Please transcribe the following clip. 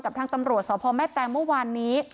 ทางตำรวจสพแม่แตงเมื่อวานนี้